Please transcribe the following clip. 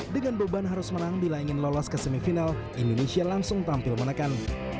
dengan beban harus menang bila ingin lolos ke semifinal indonesia langsung tampil menekan